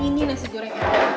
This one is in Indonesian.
ini nasi gorengnya